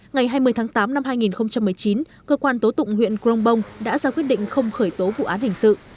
ngày hai mươi tháng tám năm hai nghìn một mươi chín cơ quan tố tụng huyện crong bông đã ra quyết định không khởi tố vụ án hình sự